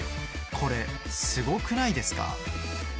これ、すごくないですか。